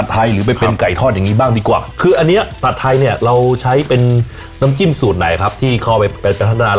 ใช่ครับแม่เป็นคนแซ่บแซ่บแม่ขอชิมดำจิ้มแซ่บแซ่บทึบเขา